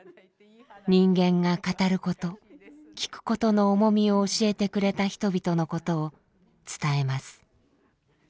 人間が語ることきくことの重みを教えてくれた人々のことを伝えます。